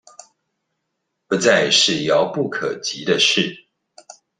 不再是遙不可及的事